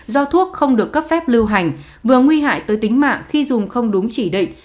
do thuốc không được cấp phép lưu hành vừa nguy hại tới tính mạng khi dùng không đúng chỉ định